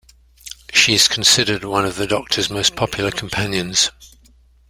She is considered one of the Doctor's most popular companions.